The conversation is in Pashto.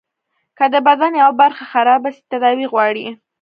که د بدن يوه برخه خرابه سي تداوي غواړي.